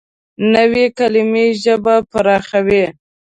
نوې کلیمه ژبه پراخوي